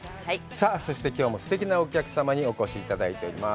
さあきょうもすてきなお客様にお越しいただいております。